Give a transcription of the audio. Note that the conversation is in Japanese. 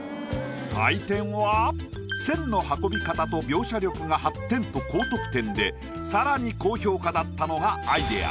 採点は線の運び方と描写力が８点と高得点で更に高評価だったのがアイディア。